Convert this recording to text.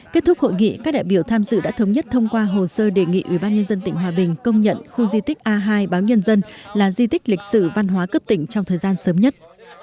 kết thúc hội nghị các đại biểu tham dự đã thống nhất thông qua hồ sơ đề nghị ubnd tỉnh hòa bình công nhận khu di tích a hai báo nhân dân là di tích lịch sử văn hóa cấp tỉnh trong thời gian sớm nhất